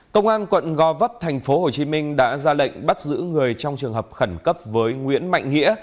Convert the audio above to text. công an quận go vấp tp hcm đã ra lệnh bắt giữ người trong trường hợp khẩn cấp với nguyễn mạnh nghĩa